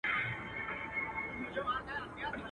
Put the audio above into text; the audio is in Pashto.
یا به اوښ یا زرافه ورته ښکاره سم.